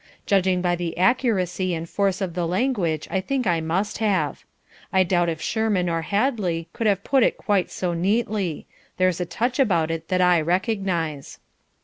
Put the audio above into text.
Judging by the accuracy and force of the language, I think I must have. I doubt if Shurman or Hadley could have put it quite so neatly. There's a touch about it that I recognise.